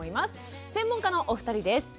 専門家のお二人です。